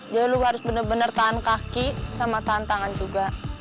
jadi lu harus bener bener tahan kaki sama tahan tangan juga